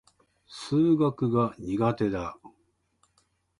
数学が苦手だ。